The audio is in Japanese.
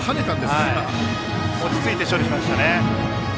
落ち着いて処理しましたね。